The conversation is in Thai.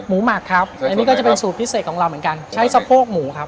หมักครับอันนี้ก็จะเป็นสูตรพิเศษของเราเหมือนกันใช้สะโพกหมูครับ